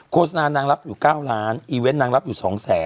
โกสนานางรับอยู่๙ล้านอีเว้นนางรับอยู่๒๐๐๐๐๐